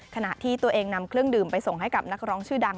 ขณะที่ตัวเองนำเครื่องดื่มไปส่งให้กับนักร้องชื่อดัง